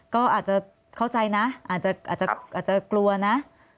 ก็อาจจะเข้าใจนะอาจจะกลัวนะ